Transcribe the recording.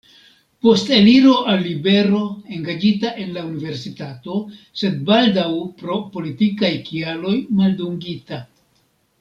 Post eliro al libero engaĝita en la Universitato, sed baldaŭ pro politikaj kialoj maldungita.